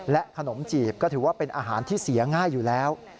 ขนมจีบก็ถือว่าเป็นอาหารที่เสียง่ายอยู่แล้ว